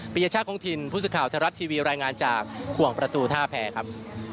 ปริญญาชาของถิ่นพูดสึกข่าวแทนรัฐทีวีรายงานจากขวงประตูท่าแพร่ครับ